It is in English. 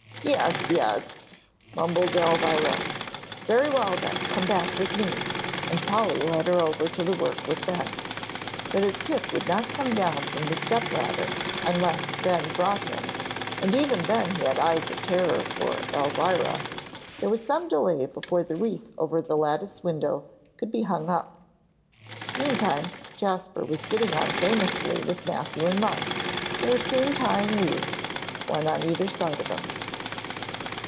"Yes, yes," mumbled Elvira. "Very well, then come back with me," and Polly led her over to the work with Ben. But as Pip would not come down from the step ladder unless Ben brought him, and even then he had eyes of terror for Elvira, there was some delay before the wreath over the lattice window could be hung up. Meantime, Jasper was getting on famously with Matthew and Mark, who were soon tying wreaths, one on either side of him.